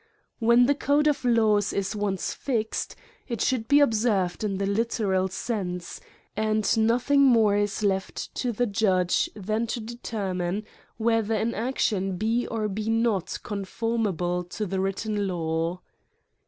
When the code of laws is once fixed, it should be observed in the literal sense, and nothing more is left to the judge than to determine whether an action be or be not con CRIMES AND PUNISHMENTS 25 formable to the written law.